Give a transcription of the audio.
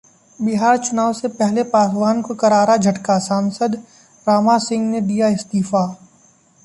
बिहार चुनाव से पहले पासवान को करारा झटका, सांसद रामा सिंह ने दिया इस्तीफा